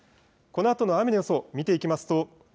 このあとの雨の予想を見ていきますと